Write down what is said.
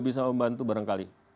bisa membantu barangkali